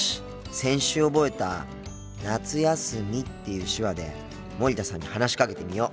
先週覚えた「夏休み」っていう手話で森田さんに話しかけてみよう。